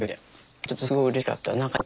ちょっとすごいうれしかった。